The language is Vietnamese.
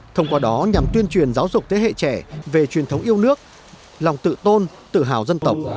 thông qua đó nhằm tuyên truyền giáo dục thế hệ trẻ về truyền thống yêu nước lòng tự tôn tự hào dân tộc